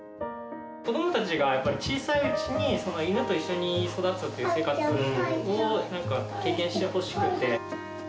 子どもたちがやっぱり小さいうちに、犬と一緒に育つという生活を経験してほしくて。